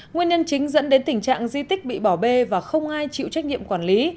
nguyên nhân chính dẫn đến tình trạng di tích bị bỏ bê và không ai chịu trách nhiệm quản lý